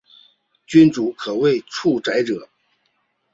君主可为独裁者。